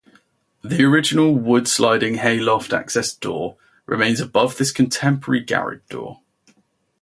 The original wood sliding hay loft access door remains above this contemporary garage door.